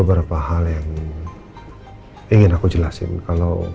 silahkan mbak mbak